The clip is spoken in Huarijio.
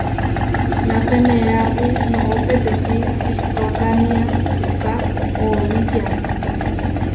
Napé neéapu noʼó peteči, iʼtokánia puʼká oʼowitiáme.